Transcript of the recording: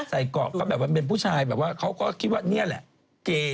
ใส่เกาะแบบว่าเขารู้ว่านี่แหละเก่